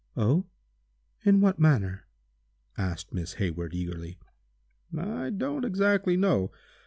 "Oh! in what manner?" asked Miss Hayward, eagerly. "I don't exactly know.